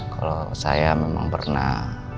kalau saya memang pernah